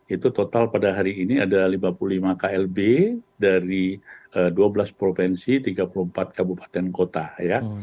itu total pada hari ini ada lima puluh lima klb dari dua belas provinsi tiga puluh empat kabupaten kota ya